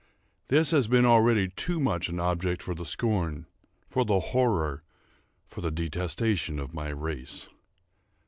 This has been already too much an object for the scorn—for the horror—for the detestation of my race.